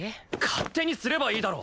勝手にすればいいだろ！